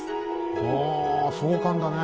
お壮観だね。